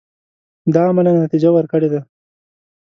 دا عملاً نتیجه ورکړې ده.